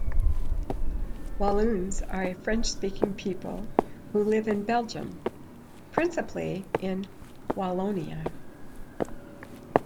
Walloons are a French-speaking people who live in Belgium, principally in Wallonia.